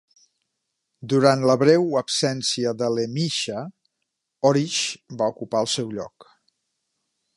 Durant la breu absència de LeMisha, Orish va ocupar el seu lloc.